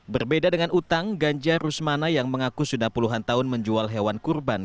berbeda dengan utang ganja rusmana yang mengaku sudah puluhan tahun menjual hewan kurban